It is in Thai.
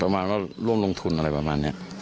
ประมาณว่าร่วมลงทุนอะไรประมาณนี้